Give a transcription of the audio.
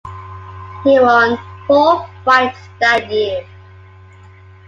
He won four fights that year.